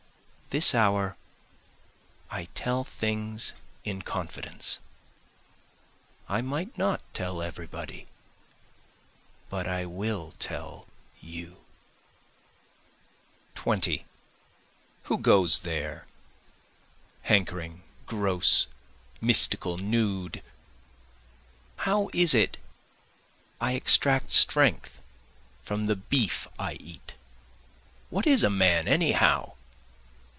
This hour I tell things in confidence, I might not tell everybody, but I will tell you. 20 Who goes there? hankering, gross, mystical, nude; How is it I extract strength from the beef I eat? What is a man anyhow?